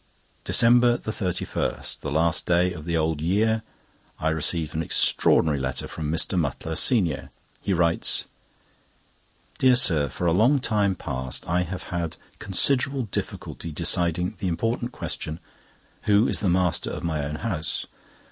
DECEMBER 31.—The last day of the Old Year. I received an extraordinary letter from Mr. Mutlar, senior. He writes: "Dear Sir,—For a long time past I have had considerable difficulty deciding the important question, 'Who is the master of my own house?